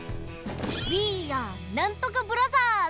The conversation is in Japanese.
ウィーアーなんとかブラザーズ！